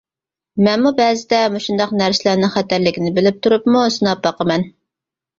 مەنمۇ بەزىدە مۇشۇنداق نەرسىلەرنىڭ خەتەرلىكىنى بىلىپ تۇرۇپمۇ سىناق باقىمەن.